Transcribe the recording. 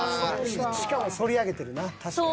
しかもそり上げてるな確かに。